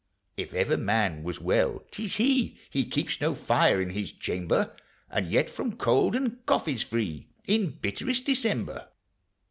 If ever man was well, 't is he; He keeps no fire in his chamber, And yet from cold and cough is free In bitterest December.